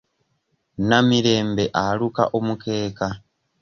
Namirembe aluka omukeeka.